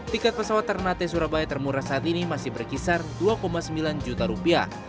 tiket pesawat ternate surabaya termurah saat ini masih berkisar dua sembilan juta rupiah